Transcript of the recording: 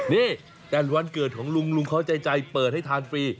นี่แต่วันเกิดของลุงลุงเขาใจเปิดให้ทานฟรี